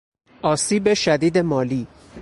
آسیب شدید مالی